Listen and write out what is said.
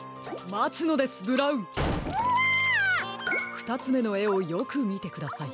ふたつめのえをよくみてください。